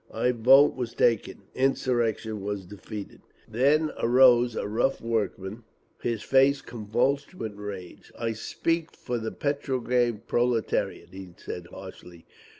A vote was taken. Insurrection was defeated! Then arose a rough workman, his face convulsed with rage. "I speak for the Petrograd proletariat," he said, harshly.